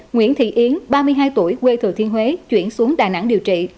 nguyễn thị yến ba mươi hai tuổi quê thừa thiên huế chuyển xuống đà nẵng điều trị